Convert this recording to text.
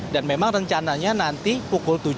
dan memang rencananya nanti pukul tujuh